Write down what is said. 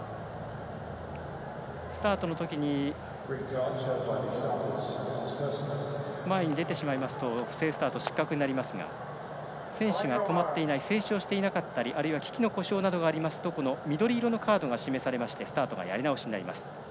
スタートのとき前に出てしまうと不正スタート、失格となりますが選手が止まっていない静止をしていなかったりあるいは機器の故障があると緑色のカードが示されましたスタートがやり直しとなります。